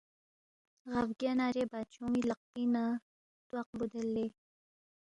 غا بگیا نارے بادشون٘ی لقپِنگ نہ تواق بُودید لے،